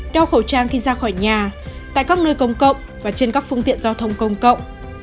đeo khẩu trang khi ra khỏi nhà tại các nơi công cộng và trên các phương tiện giao thông công cộng